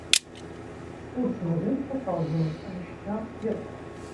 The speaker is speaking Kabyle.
Ur tebɣimt ad teṛjumt anect-a akk.